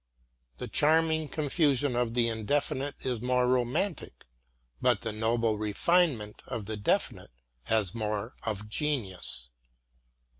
The charming confusion of the Indefinite is more romantic, but the noble refinement of the Definite has more of genius.